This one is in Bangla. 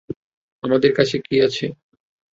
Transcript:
আমাদের কাছে কি আছে?